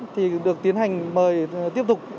thì được tiến hành mời tiếp tục